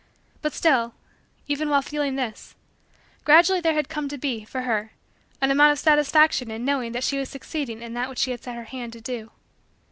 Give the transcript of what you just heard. But still, even while feeling this, gradually there had come to be, for her, an amount of satisfaction in knowing that she was succeeding in that which she had set her hand to do.